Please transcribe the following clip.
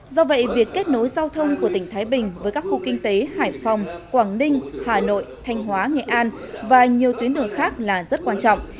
do vậy việc kết nối giao thông của tỉnh thái bình với các khu kinh tế hải phòng quảng ninh hà nội thanh hóa nghệ an và nhiều tuyến đường khác là rất quan trọng